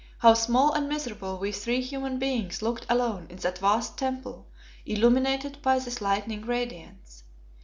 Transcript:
how small and miserable we three human beings looked alone in that vast temple illuminated by this lightning radiance.